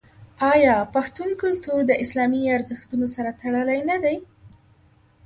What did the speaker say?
آیا پښتون کلتور د اسلامي ارزښتونو سره تړلی نه دی؟